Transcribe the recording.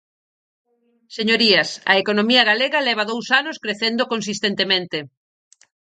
Señorías, a economía galega leva dous anos crecendo consistentemente.